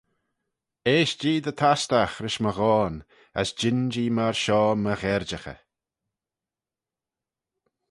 Eaisht-jee dy tastagh rish my ghoan, as jean-jee myr shoh m'y gherjaghey.